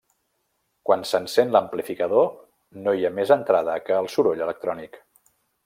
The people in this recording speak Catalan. Quan s'encén l'amplificador, no hi ha més entrada que el soroll electrònic.